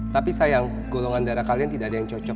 tapi sayang golongan darah kalian tidak ada yang cocok